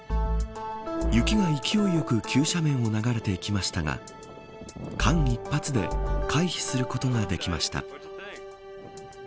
雪が勢いよく急斜面を流れていきましたが間一髪で回避することができました。